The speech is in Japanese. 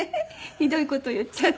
ひどい事言っちゃって。